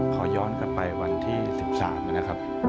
ขอย้อนกลับไปวันที่๑๓นะครับ